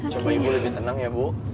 coba ibu lebih tenang ya bu